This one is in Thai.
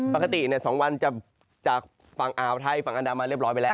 ปกติ๒วันจะจากฝั่งอ่าวไทยฝั่งอันดามาเรียบร้อยไปแล้ว